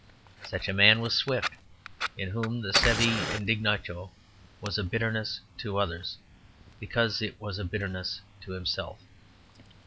Such a man was Swift, in whom the saeva indignatio was a bitterness to others, because it was a bitterness to himself.